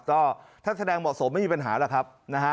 ก็ถ้าแสดงเหมาะสมไม่มีปัญหาหรอกครับนะฮะ